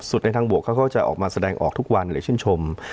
ในทางบวกเขาก็จะออกมาแสดงออกทุกวันหรือชื่นชม